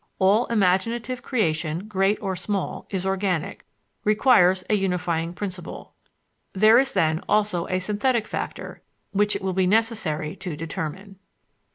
All imaginative creation, great or small, is organic, requires a unifying principle: there is then also a synthetic factor, which it will be necessary to determine.